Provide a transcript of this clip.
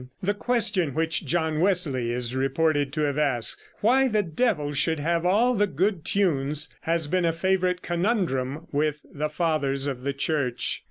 The question which John Wesley is reported to have asked, "Why the devil should have all the good tunes," has been a favorite conundrum with the fathers of the Church.